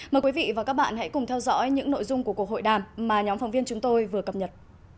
mời quý vị và các bạn hãy cùng theo dõi những nội dung của cuộc hội đàm mà nhóm phóng viên chúng tôi vừa cập nhật